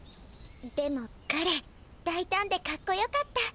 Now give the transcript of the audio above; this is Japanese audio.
でも彼だいたんでかっこよかった。